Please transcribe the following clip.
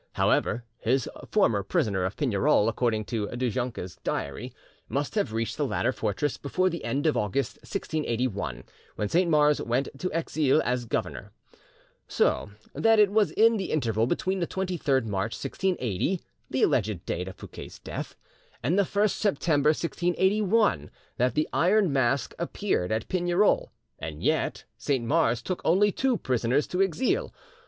However, his "former prisoner of Pignerol," according to Du Junca's diary, must have reached the latter fortress before the end of August 1681, when Saint Mars went to Exilles as governor. So that it was in the interval between the 23rd March 1680, the alleged date of Fouquet's death, and the 1st September 1681, that the Iron Mask appeared at Pignerol, and yet Saint Mars took only two prisoners to Exilles.